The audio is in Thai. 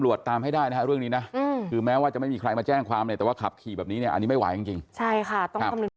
ก็อยากให้ใกล้เย็นเพราะว่ามันอันตรายกับผู้ร่วมทางคนอื่น